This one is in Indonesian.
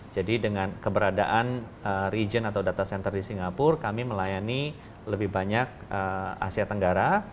jadi dengan keberadaan region atau data center di singapura kami melayani lebih banyak asia tenggara